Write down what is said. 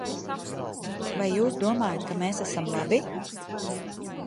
Vai jūs domājat, ka mēs esam labi?